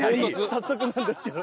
早速なんですけど。